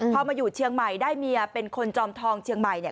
พอมาอยู่เชียงใหม่ได้เมียเป็นคนจอมทองเชียงใหม่เนี่ย